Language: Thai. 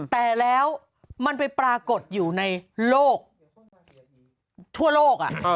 แต่แล้วมันไปปรากฏอยู่ในโลกทั่วโลก